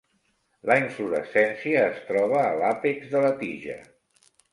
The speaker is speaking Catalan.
La inflorescència es troba a l'àpex de la tija.